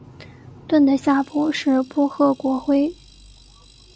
盾的下部是波赫国徽。